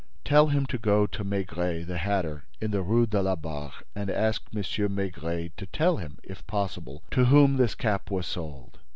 Tell him to go to Maigret, the hatter, in the Rue de la Barre, and ask M. Maigret to tell him, if possible, to whom this cap was sold."